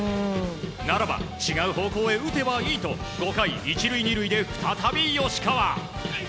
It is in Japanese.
ならば違う方向へ打てばいいと５回、１塁２塁で再び、吉川。